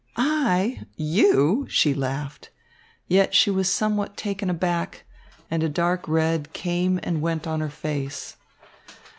"I, you!" she laughed. Yet she was somewhat taken aback, and a dark red came and went on her face.